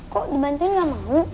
kok dibantuin nggak mau